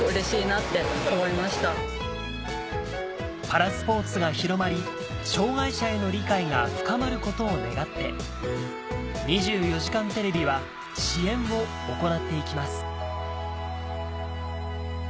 パラスポーツが広まり障がい者への理解が深まることを願って『２４時間テレビ』は支援を行っていきます